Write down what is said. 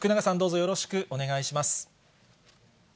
よろしくお願いします。